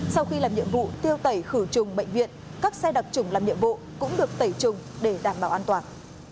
sau khi làm nhiệm vụ tiêu tẩy khử trùng bệnh viện các xe đặc trùng làm nhiệm vụ cũng được tẩy trùng để đảm bảo an toàn